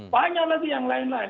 banyak lagi yang lain lain